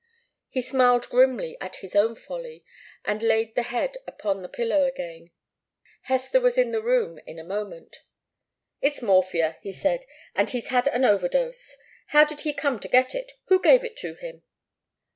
He smiled grimly at his own folly, and laid the head upon its pillow again. Hester was in the room in a moment. "It's morphia," he said, "and he's had an overdose. How did he come to get it? Who gave it to him?"